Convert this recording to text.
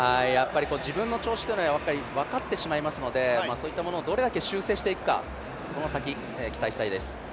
自分の調子っていうのは分かってしまいますのでそういったものをどれだけ修正していくか、この先期待したいです。